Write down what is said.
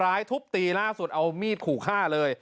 ร้ายทุบตีล่าสุดเอามีดขู่ฆ่าเลย